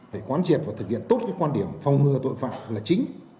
phải quan triệt và thực hiện tốt quan điểm phòng ngừa tội phạm là chính